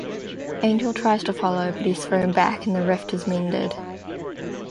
Angel tries to follow, but he's thrown back and the rift is mended.